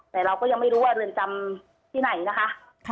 แต่เราก็ยังไม่รู้ว่าเรือนจำที่ไหนนะคะ